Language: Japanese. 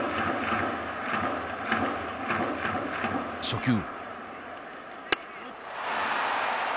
初球。